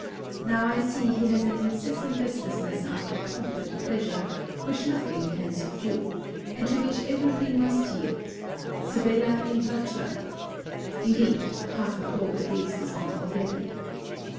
Now, I see he has an incessant restlessness after pomp and pleasure which nothing can subdue, and to which every thing must yield: Sibella in her turn indeed, half her hold at least is gone already.